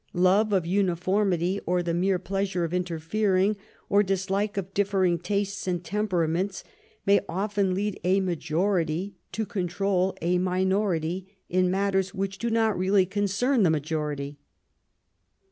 Love of uniformity, or the mere pleasure of interfering, or dislike of differing tastes and temperaments, may often lead a majority to control a minority in matters which do not really concern the majority.